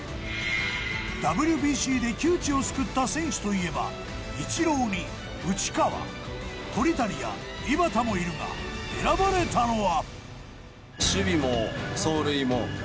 ＷＢＣで窮地を救った選手といえばイチローに内川鳥谷や井端もいるが選ばれたのは。